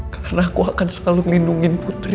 karena aku akan selalu melindungi putri